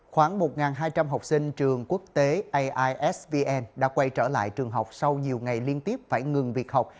khoảng một hai trăm linh học sinh trường quốc tế aisvn đã quay trở lại trường học sau nhiều ngày liên tiếp phải ngừng việc học